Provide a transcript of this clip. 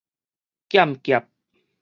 劍俠